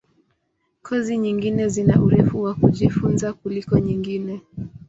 Kozi nyingine zina urefu wa kujifunza kuliko nyingine.